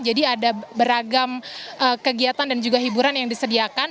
jadi ada beragam kegiatan dan juga hiburan yang disediakan